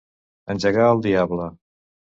Engegar al diable.